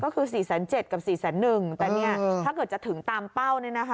ก็คือ๔๐๗๐๐๐กับ๔๐๑๐๐๐แต่ถ้าเกิดจะถึงตามเป้า